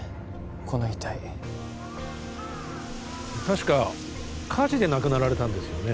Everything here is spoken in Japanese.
この遺体確か火事で亡くなられたんですよね